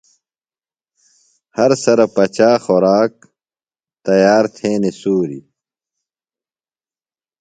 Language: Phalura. ہرسرہ پچا خوراک ، تیار تھینیۡ سُوری